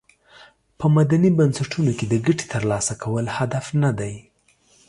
په مدني بنسټونو کې د ګټې تر لاسه کول هدف ندی.